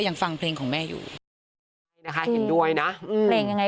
ยังฟังเพลงของแม่อยู่นี่นะคะเห็นด้วยนะอืมเพลงยังไง